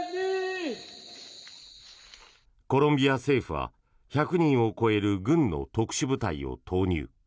コロンビア政府は１００人を超える軍の特殊部隊を投入。